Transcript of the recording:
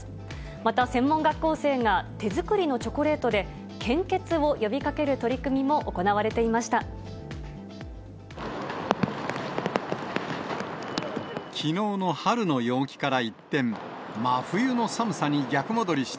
また、専門学校生が手作りのチョコレートで、献血を呼びかける取り組みも行われていました。